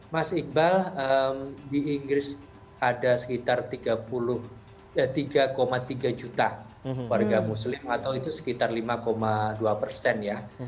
mas iqbal di inggris ada sekitar tiga tiga juta warga muslim atau itu sekitar lima dua persen ya